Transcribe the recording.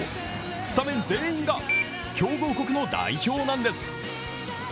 スタメン全員が強豪国の代表なんです。